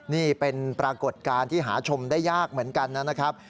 นี่เป็นปรากฏการณ์ที่หาชมได้ยากเหมือนกันนะครับ